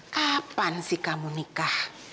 kapan sih kamu nikah